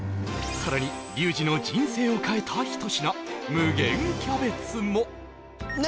さらにリュウジの人生を変えた一品無限キャベツも何？